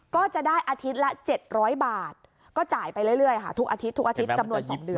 ก็จะได้อาทิตย์ละ๗๐๐บาทก็จ่ายไปเรื่อยทุกอาทิตย์จำนวน๒เดือน